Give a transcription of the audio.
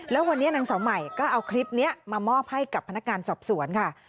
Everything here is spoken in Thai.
แล้ววันนี้นางสาวใหม่ก็เอาคลิปนี้มามอบให้กับพนักงานสอบสวนค่ะ